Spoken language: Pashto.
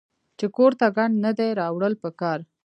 چې کور ته ګند نۀ دي راوړل پکار